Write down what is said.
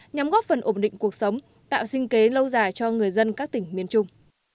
nhằm góp phần ổn định cuộc sống tạo sinh kế lâu dài cho người dân các tỉnh miền trung